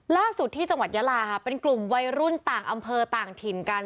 ล่าสุดที่จังหวัดยาลาค่ะเป็นกลุ่มวัยรุ่นต่างอำเภอต่างถิ่นกัน